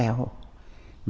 mẹ không còn nữa